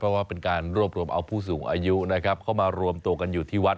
เพราะเป็นการรวบเอาผู้สูงอายุเข้ามารวมตัวกันอยู่ที่วัด